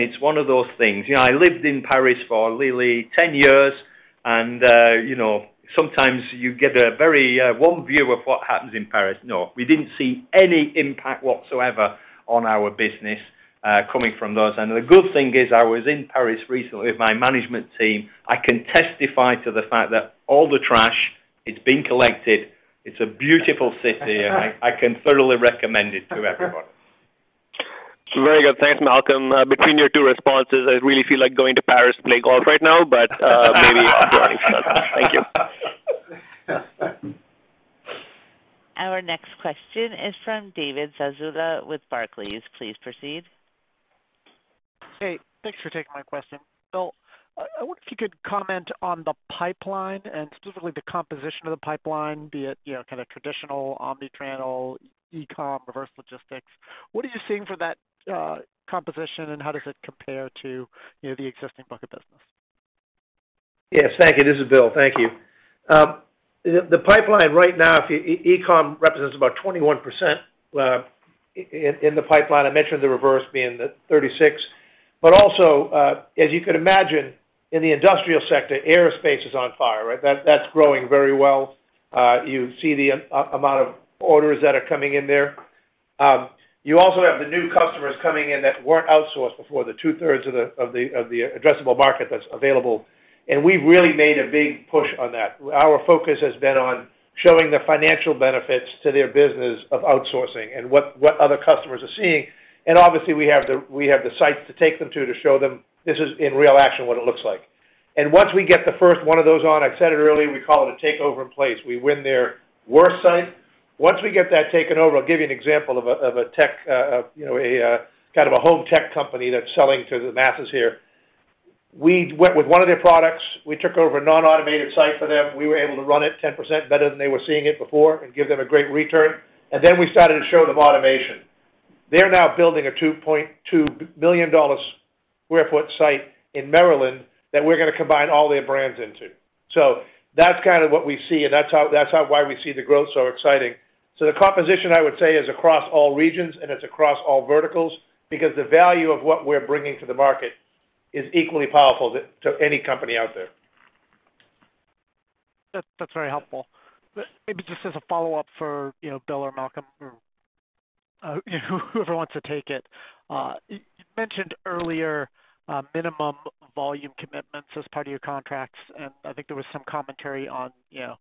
it's one of those things. You know, I lived in Paris for nearly 10 years and, you know, sometimes you get a very one view of what happens in Paris. No, we didn't see any impact whatsoever on our business coming from those. The good thing is I was in Paris recently with my management team. I can testify to the fact that all the trash is being collected. It's a beautiful city, and I can thoroughly recommend it to everyone. Very good. Thanks, Malcolm. Between your two responses, I really feel like going to Paris to play golf right now, but maybe. Thank you. Our next question is from David Zazula with Barclays. Please proceed. Hey, thanks for taking my question. Bill, I wonder if you could comment on the pipeline and specifically the composition of the pipeline, be it, you know, kind of traditional omni-channel, e-com, reverse logistics. What are you seeing for that composition, and how does it compare to, you know, the existing book of business? Yes, thank you. This is Bill. Thank you. The pipeline right now, e-com represents about 21% in the pipeline. I mentioned the reverse being the 36. Also, as you could imagine, in the industrial sector, aerospace is on fire, right? That's growing very well. You see the amount of orders that are coming in there. You also have the new customers coming in that weren't outsourced before, the 2/3 of the addressable market that's available, we've really made a big push on that. Our focus has been on showing the financial benefits to their business of outsourcing and what other customers are seeing. Obviously we have the sites to take them to to show them this is in real action what it looks like. Once we get the first one of those on, I said it earlier, we call it a takeover in place. We win their worst site. Once we get that taken over, I'll give you an example of a, of a tech, you know, a kind of a home tech company that's selling to the masses here. We went with one of their products. We took over a non-automated site for them. We were able to run it 10% better than they were seeing it before and give them a great return. Then we started to show them automation. They're now building a $2.2 billion warehouse site in Maryland that we're gonna combine all their brands into. That's kind of what we see, and that's how why we see the growth so exciting. The composition I would say is across all regions and it's across all verticals because the value of what we're bringing to the market is equally powerful to any company out there. That's very helpful. Maybe just as a follow-up for, you know, Bill or Malcolm or whoever wants to take it. You mentioned earlier, minimum volume commitments as part of your contracts, and I think there was some commentary on, you know,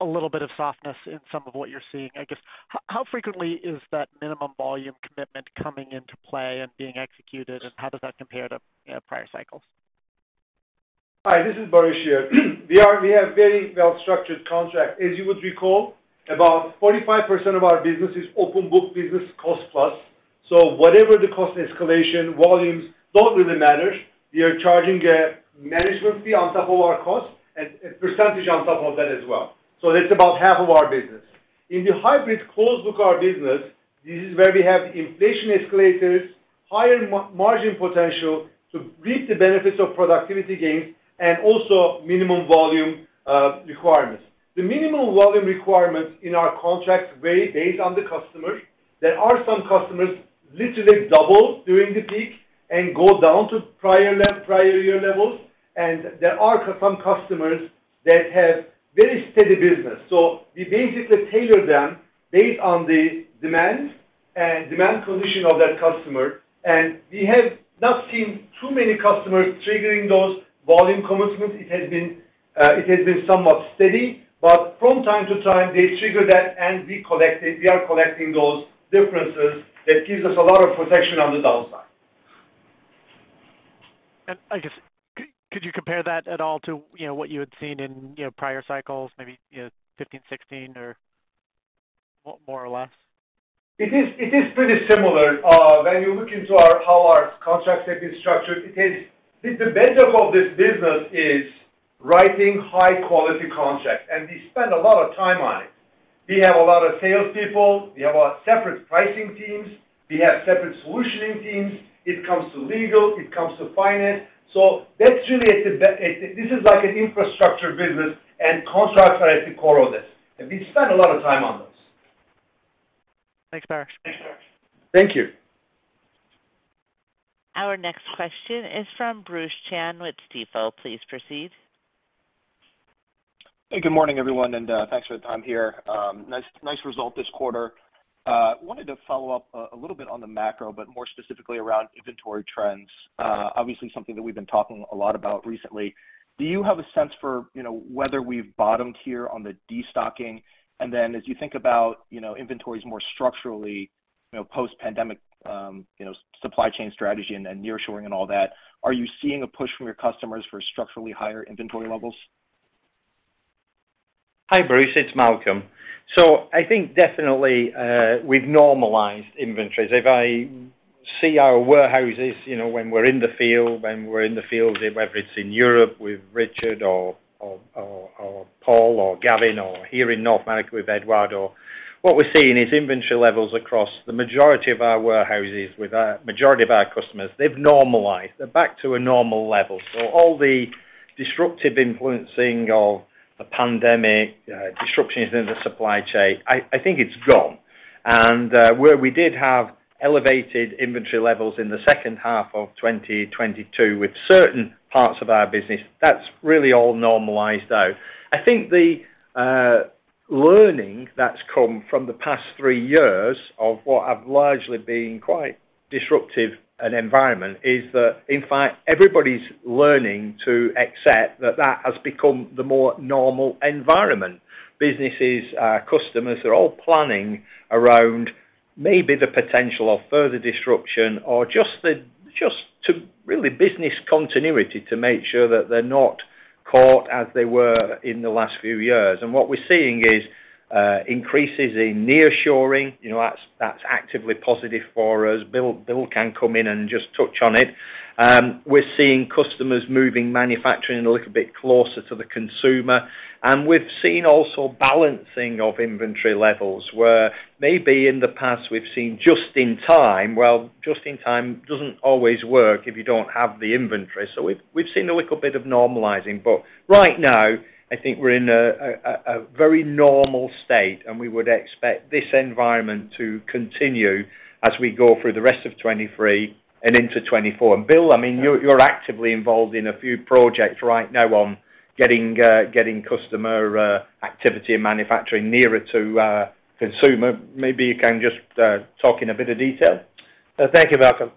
a little bit of softness in some of what you're seeing. I guess, how frequently is that minimum volume commitment coming into play and being executed, and how does that compare to, you know, prior cycles? Hi, this is Baris here. We have very well-structured contracts. As you would recall, about 45% of our business is open book business cost plus. Whatever the cost escalation, volumes don't really matter. We are charging a management fee on top of our cost and a percentage on top of that as well. That's about half of our business. In the hybrid closed book, our business, this is where we have inflation escalators. Higher margin potential to reap the benefits of productivity gains and also minimum volume requirements. The minimum volume requirements in our contracts vary based on the customer. There are some customers literally double during the peak and go down to prior year levels, and there are some customers that have very steady business. We basically tailor them based on the demand and demand condition of that customer. We have not seen too many customers triggering those volume commitments. It has been somewhat steady, but from time to time, they trigger that and we collect it. We are collecting those differences. That gives us a lot of protection on the downside. I guess could you compare that at all to, you know, what you had seen in, you know, prior cycles, maybe, you know, 2015, 2016, or more or less? It is, it is pretty similar. When you look into how our contracts have been structured, it is. The bedrock of this business is writing high quality contracts, and we spend a lot of time on it. We have a lot of sales people. We have our separate pricing teams. We have separate solutioning teams. It comes to legal, it comes to finance. That's really this is like an infrastructure business and contracts are at the core of this, and we spend a lot of time on those. Thanks, Baris. Thank you. Our next question is from Bruce Chan with Stifel. Please proceed. Hey, good morning, everyone, and thanks for the time here. Nice, nice result this quarter. Wanted to follow up a little bit on the macro, but more specifically around inventory trends. Obviously something that we've been talking a lot about recently. Do you have a sense for, you know, whether we've bottomed here on the destocking? Then as you think about, you know, inventories more structurally, you know, post-pandemic, you know, supply chain strategy and nearshoring and all that, are you seeing a push from your customers for structurally higher inventory levels? Hi, Bruce. It's Malcolm. I think definitely, we've normalized inventories. If I see our warehouses, you know, when we're in the field, whether it's in Europe with Richard or Paul or Gavin or here in North America with Eduardo, what we're seeing is inventory levels across the majority of our warehouses with our majority of our customers, they've normalized. They're back to a normal level. All the disruptive influencing of the pandemic, disruptions in the supply chain, I think it's gone. Where we did have elevated inventory levels in the second half of 2022 with certain parts of our business, that's really all normalized out. I think the learning that's come from the past three years of what have largely been quite disruptive an environment is that in fact, everybody's learning to accept that that has become the more normal environment. Businesses, customers are all planning around maybe the potential of further disruption or just to really business continuity to make sure that they're not caught as they were in the last few years. What we're seeing is increases in nearshoring, you know, that's actively positive for us. Bill can come in and just touch on it. We're seeing customers moving manufacturing a little bit closer to the consumer, and we've seen also balancing of inventory levels, where maybe in the past we've seen just in time. Well, just in time doesn't always work if you don't have the inventory. We've seen a little bit of normalizing. Right now, I think we're in a very normal state, and we would expect this environment to continue as we go through the rest of 2023 and into 2024. Bill, I mean, you're actively involved in a few projects right now on getting customer activity and manufacturing nearer to consumer. Maybe you can just talk in a bit of detail. Thank you, Malcolm.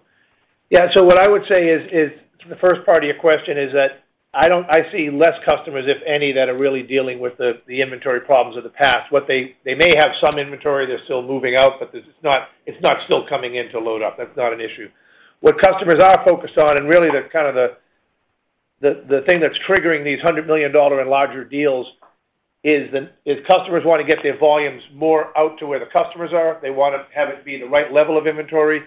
Yeah. What I would say is the first part of your question is that I see less customers, if any, that are really dealing with the inventory problems of the past. They may have some inventory they're still moving out, but it's not, it's not still coming in to load up. That's not an issue. What customers are focused on, and really the kind of the thing that's triggering these $100 million and larger deals is customers wanna get their volumes more out to where the customers are. They wanna have it be the right level of inventory,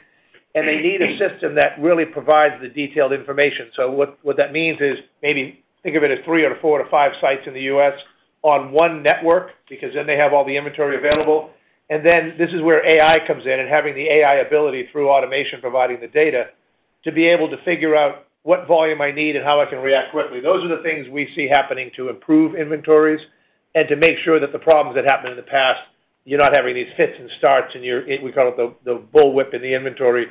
and they need a system that really provides the detailed information. What that means is maybe think of it as 3 or 4-5 sites in the U.S. on one network, because then they have all the inventory available. This is where AI comes in and having the AI ability through automation, providing the data to be able to figure out what volume I need and how I can react quickly. Those are the things we see happening to improve inventories and to make sure that the problems that happened in the past, you're not having these fits and starts and you're we call it the bullwhip in the inventory.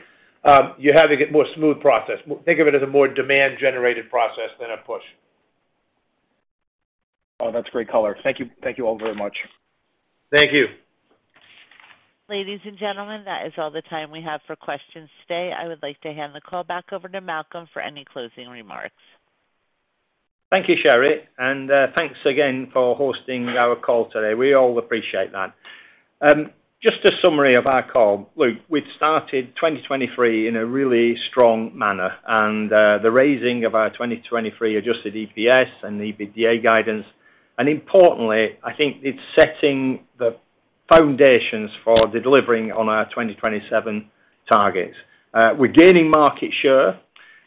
You're having a more smooth process. Think of it as a more demand-generated process than a push. Oh, that's great color. Thank you. Thank you all very much. Thank you. Ladies and gentlemen, that is all the time we have for questions today. I would like to hand the call back over to Malcolm for any closing remarks. Thank you, Sherry. Thanks again for hosting our call today. We all appreciate that. Just a summary of our call. Look, we've started 2023 in a really strong manner, the raising of our 2023 adjusted EPS and the EBITDA guidance. Importantly, I think it's setting the foundations for delivering on our 2027 targets. We're gaining market share.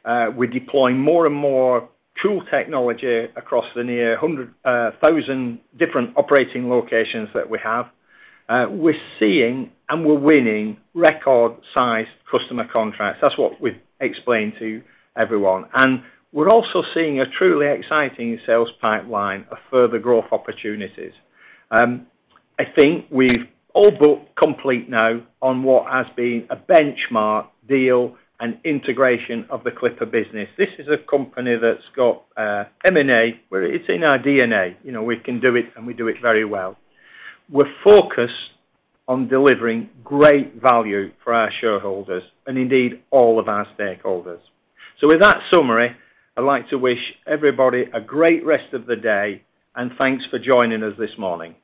We're deploying more and more tool technology across the near 100,000 different operating locations that we have. We're seeing and we're winning record-sized customer contracts. That's what we've explained to everyone. We're also seeing a truly exciting sales pipeline of further growth opportunities. I think we've all but complete now on what has been a benchmark deal and integration of the Clipper business. This is a company that's got M&A, where it's in our DNA. You know, we can do it, and we do it very well. We're focused on delivering great value for our shareholders and indeed all of our stakeholders. With that summary, I'd like to wish everybody a great rest of the day, and thanks for joining us this morning.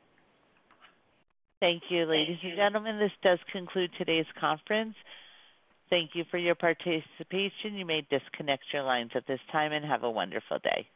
Thank you. Ladies and gentlemen, this does conclude today's conference. Thank you for your participation. You may disconnect your lines at this time, and have a wonderful day.